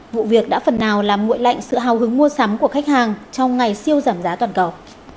vụ việc đã phần nào làm mụi lạnh sự hào hứng mua sắm của khách hàng trong ngày siêu giảm giá toàn cầu